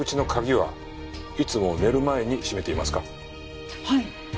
はい。